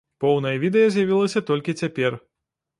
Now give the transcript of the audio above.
Поўнае відэа з'явілася толькі цяпер.